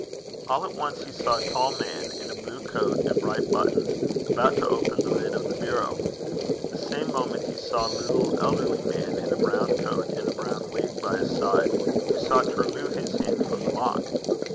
All at once he saw a tall man, in a blue coat and bright buttons, about to open the lid of the bureau. The same moment he saw a little elderly man in a brown coat and a brown wig, by his side, who sought to remove his hand from the lock.